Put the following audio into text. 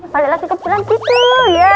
balik lagi ke pulangan gitu ya